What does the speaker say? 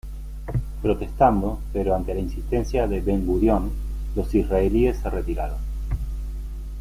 Protestando, pero ante la insistencia de Ben-Gurión, los israelíes se retiraron.